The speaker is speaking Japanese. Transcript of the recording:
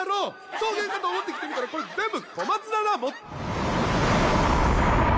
草原かと思って来てみたらこれ全部小松菜だ！